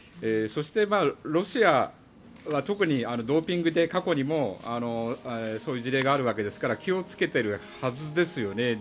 そして、ロシアは特にドーピングで過去にそういう事例があるわけですから気を付けているはずですよね。